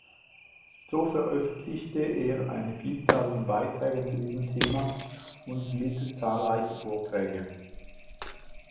So veröffentlichte er eine Vielzahl von Beiträgen zu diesem Thema und hielt zahlreiche Vorträge.